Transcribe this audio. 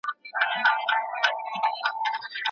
هيڅوک بايد د بل له مزاج څخه ناخبره پاته نه سي.